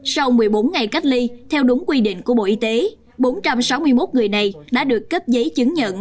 sau một mươi bốn ngày cách ly theo đúng quy định của bộ y tế bốn trăm sáu mươi một người này đã được cấp giấy chứng nhận